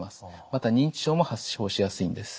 また認知症も発症しやすいんです。